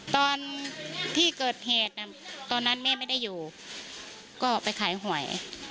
ตอนที่เกิดเหตุตอนนั้นแม่ไม่ได้อยู่ก็ไปขายหวย